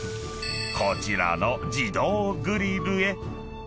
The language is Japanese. ［こちらの自動グリルへ］